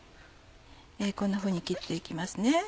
こんなふうに切って行きますね。